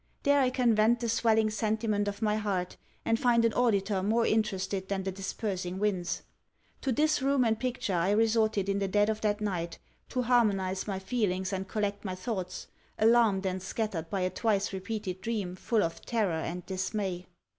There I can vent the swelling sentiment of my heart, and find an auditor more interested than the dispersing winds. To this room and picture I resorted in the dead of that night, to harmonize my feelings and collect my thoughts, alarmed and scattered by a twice repeated dream full of terror and dismay.